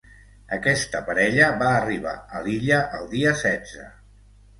Aquesta parella va arribar a l’illa el dia setze.